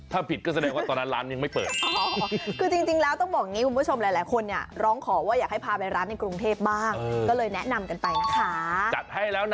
ถ้าผิดก็แสดงว่าตอนนั้นร้านยังไม่เปิด